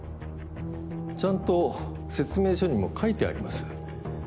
ちゃんと説明書にも書いてあります